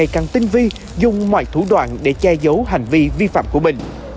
càng tinh vi dùng mọi thủ đoạn để che giấu hành vi vi phạm của mình